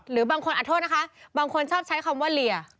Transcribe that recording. หรือบางคนชอบใช้คำว่าเรีย